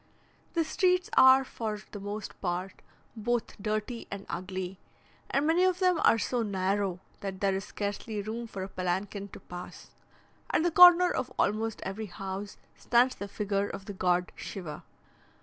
The streets are for the most part both dirty and ugly, and many of them are so narrow, that there is scarcely room for a palanquin to pass. At the corner of almost every house stands the figure of the god Shiva.